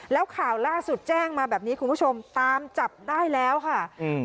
แล้วข่าวล่าสุดแจ้งมาแบบนี้คุณผู้ชมตามจับได้แล้วค่ะอืม